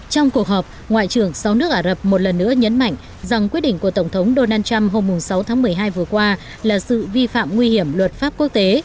trong cuộc họp ngoại trưởng sáu nước ả rập một lần nữa nhấn mạnh rằng quyết định của tổng thống donald trump hôm sáu tháng một mươi hai vừa qua là sự vi phạm nguy hiểm luật pháp quốc tế